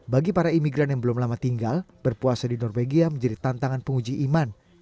bagi para imigran yang belum lama tinggal berpuasa di norwegia menjadi tantangan penguji iman